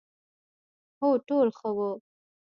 هو، ټول ښه وو،